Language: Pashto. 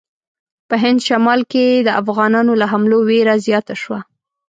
په هند شمال کې د افغانانو له حملو وېره زیاته شوه.